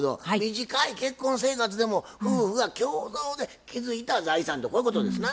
短い結婚生活でも夫婦が共同で築いた財産とこういうことですな？